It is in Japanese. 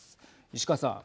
石川さん。